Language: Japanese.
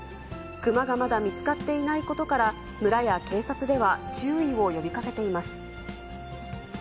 熊がまだ見つかっていないことから、村や警察では注意を呼びかけています。